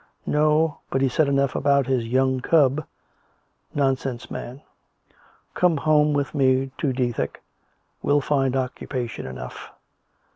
No ; but he said enough about his ' young cub.' ... Nonsense, man! Come home with me to Dethick. We'll find occupation enough."